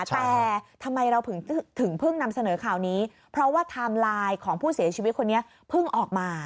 แต่ทำไมเราถึงเพิ่งนำเสนอข่าวนี้เพราะว่าไทม์ไลน์ของผู้เสียชีวิตคนนี้เพิ่งออกมา